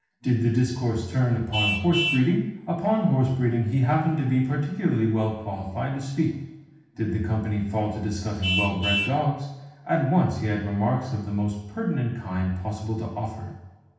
Did the discourse turn upon horse breeding, upon horse breeding he happened to be peculiarly well qualified to speak. Did the company fall to discussing well bred dogs, at once he had remarks of the most pertinent kind possible to offer.